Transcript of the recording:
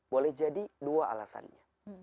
boleh jadi dua alasannya